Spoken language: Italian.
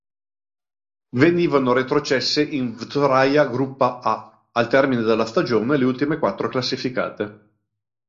Venivano retrocesse in Vtoraja Gruppa A al termine della stagione le ultime quattro classificate.